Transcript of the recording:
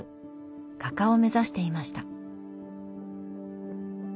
画家を目指していました。